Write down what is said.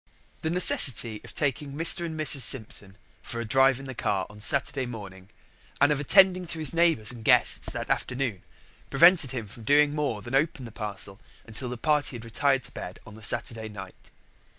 The necessity of taking Mr. and Mrs. Simpson for a drive in the car on Saturday morning and of attending to his neighbours and guests that afternoon prevented him from doing more than open the parcel until the party had retired to bed on the Saturday night.